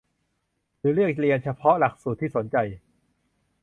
หรือเลือกเรียนเฉพาะหลักสูตรที่สนใจ